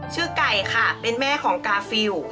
ไก่ค่ะเป็นแม่ของกาฟิล